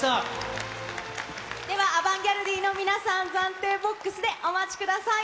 では、アバンギャルディの皆さん、暫定ボックスでお待ちください。